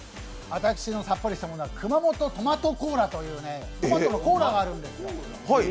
私のさっぱりしたものは熊本トマトコーラというトマトのコーラがあるんですよ。